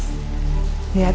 kamu datang kerumah ya mas